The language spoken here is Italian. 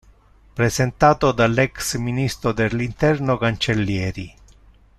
Presentato dall'ex ministro dell'interno Cancellieri.